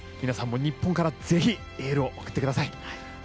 皆さんも日本からぜひエールを送ってください。